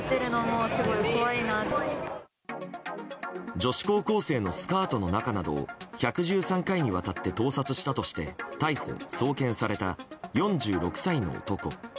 女子高校生のスカートの中などを１１３回にわたって盗撮したとして逮捕・送検された４６歳の男。